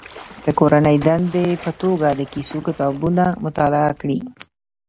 د کورنۍ دندې په توګه د کیسو کتابونه مطالعه کړي.